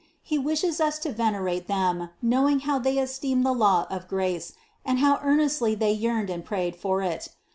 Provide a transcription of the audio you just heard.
He wishes us to venerate them, knowing how they esteemed the law of grace and how earnestly they yearned and prayed for it.